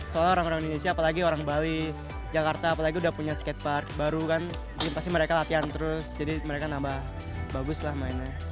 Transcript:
soalnya orang orang indonesia apalagi orang bali jakarta apalagi udah punya skatepark baru kan pasti mereka latihan terus jadi mereka nambah bagus lah mainnya